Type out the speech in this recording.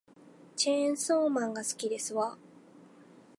チェーンソーマンが好きですわ